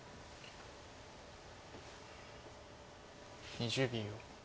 ２０秒。